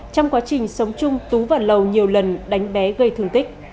trong quá trình sống chung tú và lầu nhiều lần đánh bé gây thương tích